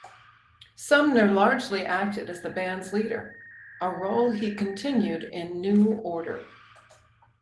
Sumner largely acted as the band's director, a role he continued in New Order.